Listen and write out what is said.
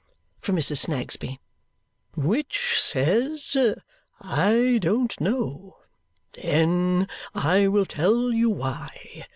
from Mrs. Snagsby. "Which says, 'I don't know.' Then I will tell you why.